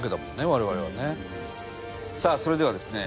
さあそれではですね